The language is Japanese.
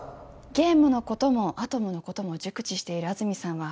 ゲームのこともアトムのことも熟知している安積さんは